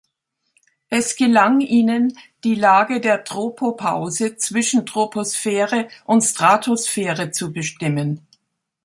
Es gelang ihnen, die Lage der Tropopause zwischen Troposphäre und Stratosphäre zu bestimmen.